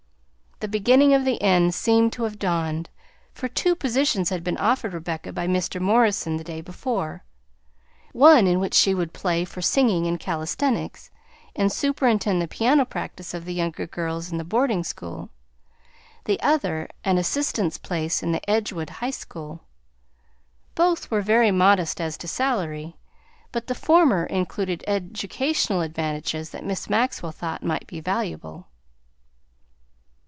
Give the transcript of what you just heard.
The beginning of the end seemed to have dawned, for two positions had been offered Rebecca by Mr. Morrison the day before: one in which she would play for singing and calisthenics, and superintend the piano practice of the younger girls in a boarding school; the other an assistant's place in the Edgewood High School. Both were very modest as to salary, but the former included educational advantages that Miss Maxwell thought might be valuable.